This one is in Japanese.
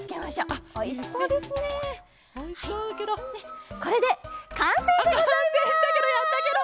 あっかんせいしたケロやったケロ！